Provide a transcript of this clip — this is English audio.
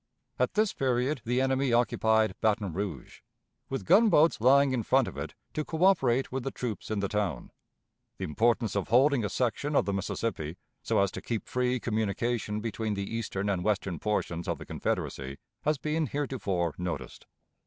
At this period the enemy occupied Baton Rouge, with gunboats lying in front of it to coöperate with the troops in the town. The importance of holding a section of the Mississippi, so as to keep free communication between the eastern and western portions of the Confederacy, has been heretofore noticed.